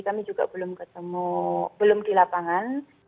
kami juga belum ketemu belum di lapangan